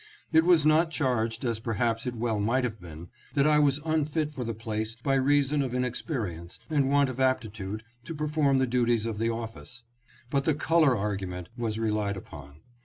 It was not charged, as perhaps it well might have been, that I was unfit for the place by reason of inexperience and want of aptitude to perform the duties of the office ; but the color argument was relied upon.